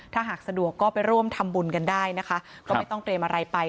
ถ้าหากสะดวกก็ไปร่วมทำบุญกันได้นะคะก็ไม่ต้องเตรียมอะไรไป